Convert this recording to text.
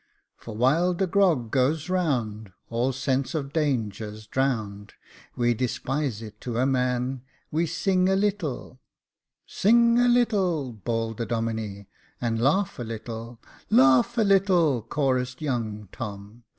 " For while the grog goes round, All sense of danger's drown'd, We despise it to a man ; We sing a little —"Sing a little," bawled the Domine. " And laugh a little —"" Laugh a little," chorused young Tom.